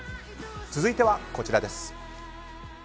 続いてはこちらです。